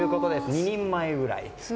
２人前ぐらい。